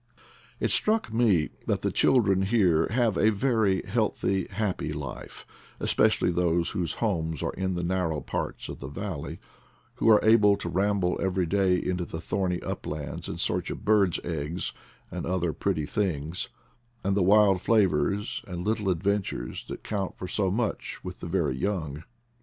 It struck me that the children here have a very healthy, happy life, especially those whose homes are in the narrow parts of the valley, who are able to ramble every day into the thorny uplands in search of birds 9 eggs and other pretty things, and the wild flavors and little adventures that count for so much with the very young.